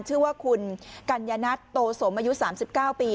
ชื่อว่าคุณกัญญนัทโตสมอายุ๓๙ปี